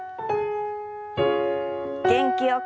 元気よく。